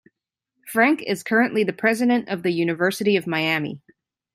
Frenk is currently the president of the University of Miami.